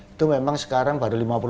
itu memang sekarang baru